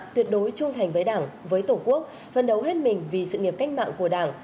tuyệt đối trung thành với đảng với tổ quốc phân đấu hết mình vì sự nghiệp cách mạng của đảng